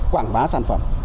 quảng bá sản phẩm